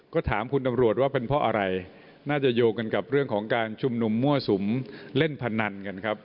ขอบคุณครับ